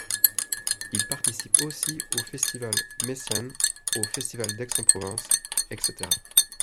Il participe aussi au Festival Messiaen, au Festival d'Aix-en-Provence, etc.